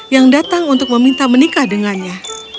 yang datang untuk meminta menikah dengannya